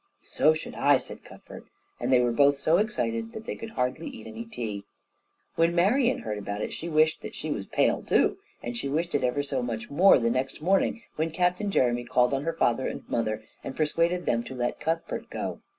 "So should I," said Cuthbert, and they were both so excited that they could hardly eat any tea. When Marian heard about it, she wished that she was pale too, and she wished it ever so much more the next morning when Captain Jeremy called on her father and mother and persuaded them to let Cuthbert go.